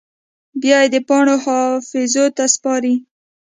بیا یې د پاڼو حافظو ته سپاري